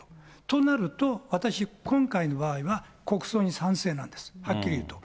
となると、私、今回の場合は国葬に賛成なんです、はっきり言うと。